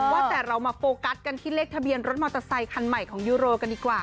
ว่าแต่เรามาโฟกัสกันที่เลขทะเบียนรถมอเตอร์ไซคันใหม่ของยูโรกันดีกว่า